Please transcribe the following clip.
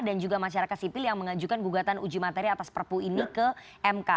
dan juga masyarakat sipil yang mengajukan gugatan uji materi atas prpu ini ke mk